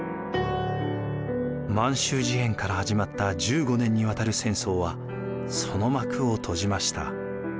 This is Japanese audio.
満州事変から始まった１５年にわたる戦争はその幕を閉じました。